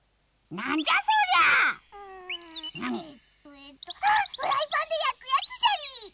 えっとあっフライパンでやくやつじゃりー！